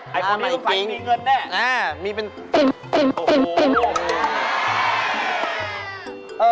หน้าใหม่จริงนะมีเป็นโอ้โห